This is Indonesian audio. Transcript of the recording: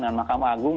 dengan mahkamah agung